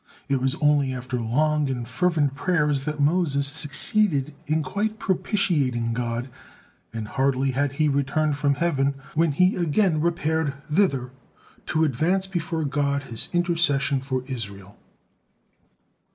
It was only after long and fervent prayers that Moses succeeded in quite propitiating God, and hardly had he returned from heaven, when he again repaired thither to advance before God his intercession for Israel.